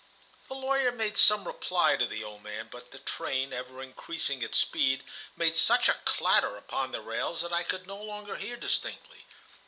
The lawyer made some reply to the old man, but the train, ever increasing its speed, made such a clatter upon the rails that I could no longer hear distinctly.